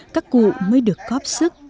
các cụ mới được góp sức